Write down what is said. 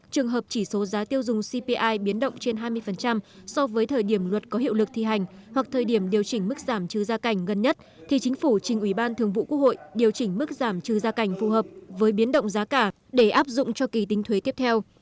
trường hợp chỉ số giá tiêu dùng cpi biến động trên hai mươi so với thời điểm luật có hiệu lực thi hành hoặc thời điểm điều chỉnh mức giảm trừ gia cảnh gần nhất thì chính phủ trình ủy ban thường vụ quốc hội điều chỉnh mức giảm trừ gia cảnh phù hợp với biến động giá cả để áp dụng cho kỳ tính thuế tiếp theo